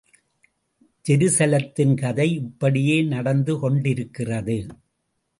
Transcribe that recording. ஜெருசலத்தின் கதை இப்படியே நடந்து கொண்டிருக்கிறது.